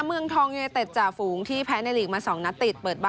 เมืองทองเยเต็ดจ่าฝูงที่แพ้ในลีกมา๒นัดติด